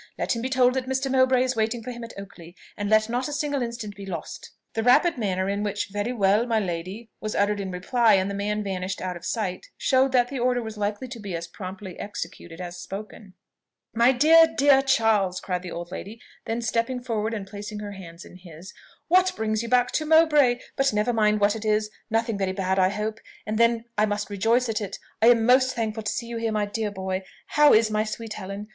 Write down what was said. Let him be told that Mr. Mowbray is waiting for him at Oakley and let not a single instant be lost." The rapid manner in which "Very well, my lady," was uttered in reply, and the man vanished out of sight, showed that the order was likely to be as promptly executed as spoken. "My dear, dear Charles!" cried the old lady; then stepping forward and placing her hands in his, "What brings you back to Mowbray? But never mind what it is nothing very bad, I hope, and then I must rejoice at it. I am most thankful to see you here, my dear boy. How is my sweet Helen?